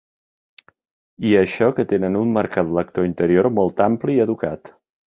I això que tenen un mercat lector interior molt ampli i educat.